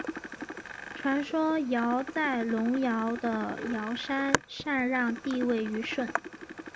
传说尧在隆尧的尧山禅让帝位予舜。